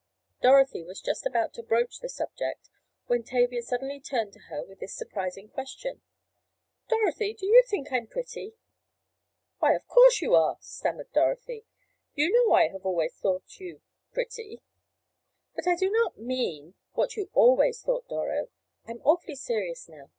Dorothy was just about to broach the subject when Tavia suddenly turned to her with this surprising question: "Dorothy, do you think I'm pretty?" "Why, of course you are," stammered Dorothy. "You know I have always thought you—pretty." "But I do not mean what you always thought, Doro. I am awfully serious now.